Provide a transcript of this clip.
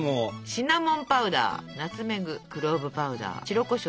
シナモンパウダーナツメグクローブパウダー白コショウ。